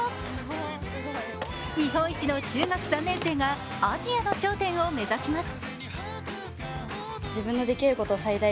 日本一の中学３年生がアジアの頂点を目指します。